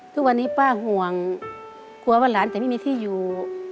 ทุกวันนี้ป้าห่วงกลัวว่าหลานจะไม่มีที่อยู่